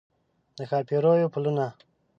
د ښاپیریو پلونه